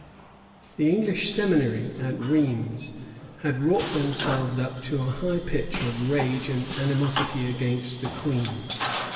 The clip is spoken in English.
The English seminary at Rheims had wrought themselves up to a high pitch of rage and animosity against the queen.